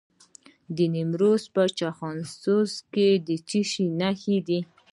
د نیمروز په چخانسور کې د څه شي نښې دي؟